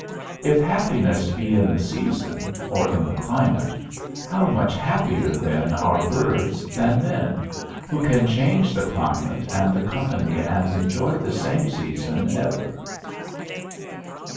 If happiness be in the season, or in the climate, how much happier then are birds than men, who can change the climate and accompany and enjoy the same season ever.